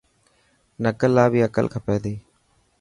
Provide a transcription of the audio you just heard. نڪل لا بي عقل کپي تي.